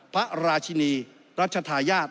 พระราชินีรัชธาญาติ